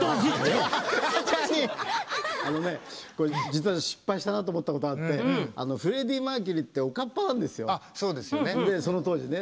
あのね、これ実は失敗したなと思ったことあってあのフレディ・マーキュリーっておかっぱなんですよ、その当時ね。